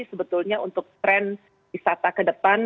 sebetulnya untuk tren wisata ke depan